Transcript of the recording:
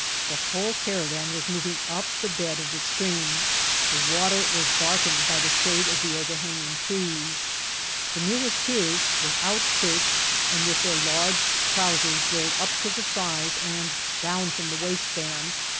The whole caravan was moving up the bed of the stream ; the water was dark ened by the shade of the overhanging trees ; the mule teers, without shirts, and with their large trousers rolled up to the thighs and down from the waistband, were Vol.